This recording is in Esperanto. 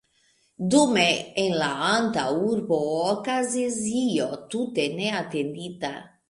Dume en la antaŭurbo okazis io tute neatendita.